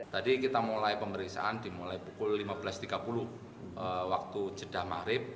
tadi kita mulai pemeriksaan dimulai pukul lima belas tiga puluh waktu jeddah maghrib